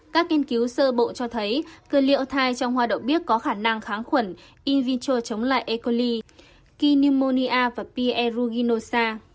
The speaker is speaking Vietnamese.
các nghiên cứu sơ bộ cho thấy kiliothai trong hoa đậu biếc có khả năng kháng khuẩn in vitro chống lại e coli k pneumonia và p eruginosa